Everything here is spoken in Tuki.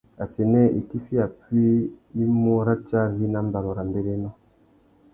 Assênē itifiya puï i mú ratiari nà mbanu râ mbérénô.